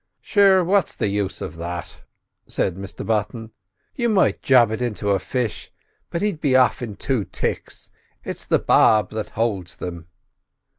"Sure, what's the use of that?" said Mr Button. "You might job it into a fish, but he'd be aff it in two ticks; it's the barb that holds them."